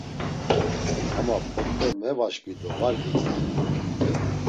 Ama p̌ot̆e mevaşǩvi do var vigzali.